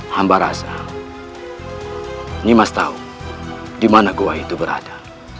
hamba rasa ini mas tahu dimana gua itu berada